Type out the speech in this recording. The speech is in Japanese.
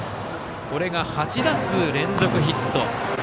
これが８打数連続ヒット。